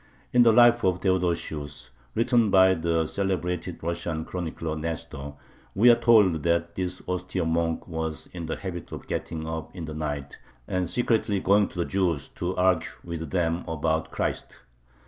In the Life of Theodosius written by the celebrated Russian chronicler Nestor we are told that this austere monk was in the habit of getting up in the night and secretly going to the Jews to argue with them about Christ.